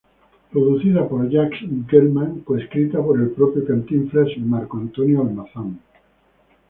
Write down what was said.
Producida por Jacques Gelman, coescrita por el propio Cantinflas y Marco Antonio Almazán.